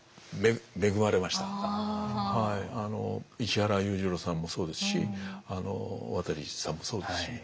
石原裕次郎さんもそうですし渡さんもそうですし。